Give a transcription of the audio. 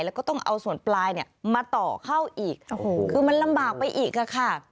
แล้วก็ต้องเอาส่วนปลายมาต่อเข้าอีกคือมันลำบากไปอีกค่ะ